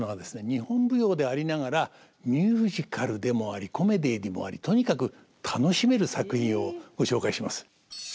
日本舞踊でありながらミュージカルでもありコメディーでもありとにかく楽しめる作品をご紹介します。